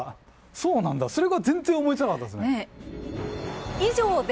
そうなんだそれが全然思いつかなかったですね。